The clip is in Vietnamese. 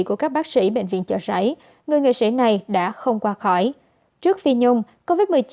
của các bác sĩ bệnh viện chợ sảy người nghệ sĩ này đã không qua khỏi trước phi nhung covid một mươi chín